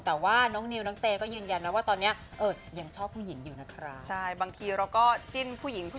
แต่ว่าน้องนิวท์น้องเต้ยืนยันว่าตอนนี้ชอบผู้หญิงอยู่